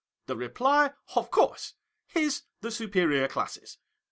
The reply of course is, the superior classes.